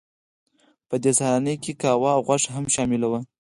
په دې سهارنۍ کې قهوه او غوښه هم شامله وه